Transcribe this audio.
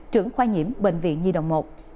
trưởng khoa nhiễm bệnh viện nhi đồng một